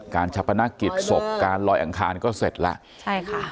การฉับพนักกิจศพการลอยอังคารก็เสร็จแล้ว